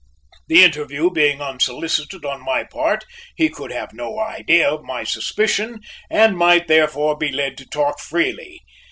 The interview being unsolicited, on my part, he could have no idea of my suspicion and might therefore be led to talk freely.